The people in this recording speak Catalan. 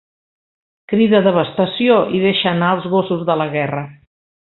Crida 'devastació!' i deixa anar els gossos de la guerra.